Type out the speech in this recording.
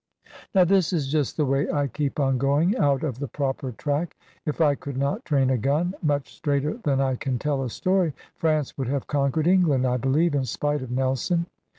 Now this is just the way I keep on going out of the proper track. If I could not train a gun, much straighter than I can tell a story, France would have conquered England, I believe, in spite of Nelson.